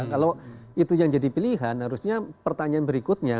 kalau itu yang jadi pilihan harusnya pertanyaan berikutnya